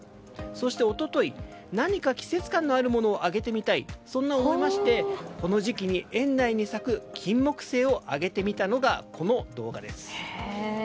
そして一昨日、何か季節感のあるものを上げてみたいそう思いましてこの時期に園内に咲くキンモクセイをあげてみたのがこの動画です。